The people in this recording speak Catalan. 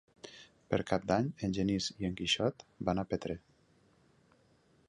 Per Cap d'Any en Genís i en Quixot van a Petrer.